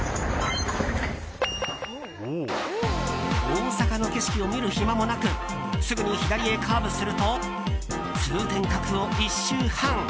大阪の景色を見る暇もなくすぐに左へカーブすると通天閣を１周半。